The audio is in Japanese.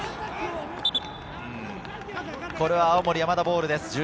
これは青森山田ボールです。